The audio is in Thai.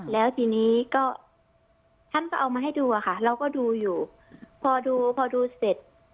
แล้วทีนี้ก็ท่านก็เอามาให้ดูอะค่ะเราก็ดูอยู่พอดูพอดูเสร็จ